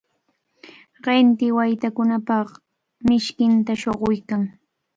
qinti waytakunapa mishkinta shuquykan.